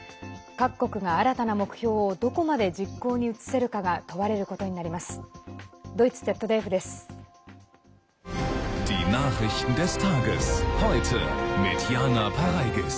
各国が新たな目標をどこまで実行に移せるかが問われることになります。